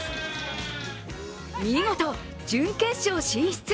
見事、準決勝進出。